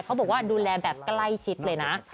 เขาบอกว่าดูแลแบบใกล้ชิดเลยนะ